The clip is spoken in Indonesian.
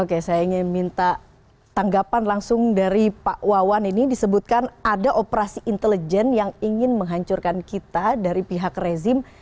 oke saya ingin minta tanggapan langsung dari pak wawan ini disebutkan ada operasi intelijen yang ingin menghancurkan kita dari pihak rezim